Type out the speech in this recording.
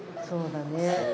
そうだね。